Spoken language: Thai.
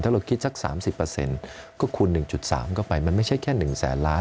ถ้าเราคิดสักสามสิบเปอร์เซ็นต์ก็คูณหนึ่งจุดสามก็ไปมันไม่ใช่แค่หนึ่งแสนล้าน